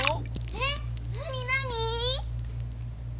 えなになに？